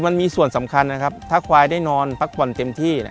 มันมีส่วนสำคัญถ้าควายได้นอนปั๊กปั่นเต็มที่